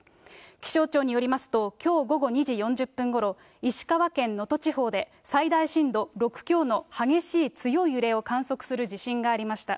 気象庁によりますと、きょう午後２時４０分ごろ、石川県能登地方で、最大震度６強の激しい強い揺れを観測する地震がありました。